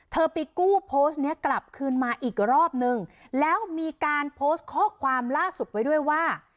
ไปกู้โพสต์เนี้ยกลับคืนมาอีกรอบนึงแล้วมีการโพสต์ข้อความล่าสุดไว้ด้วยว่า